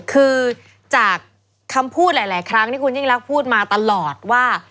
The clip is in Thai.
คือจากคำพูดหลายครั้งที่คุณยิ่งรักพูดมาตลอดว่า